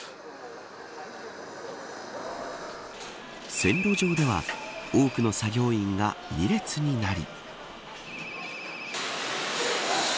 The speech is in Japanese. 線路上では、多くの作業員が２列になり。